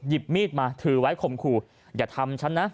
มีดมาถือไว้ข่มขู่อย่าทำฉันนะ